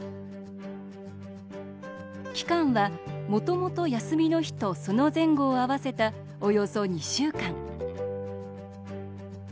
期間は、もともと休みの日とその前後を合わせたおよそ２週間。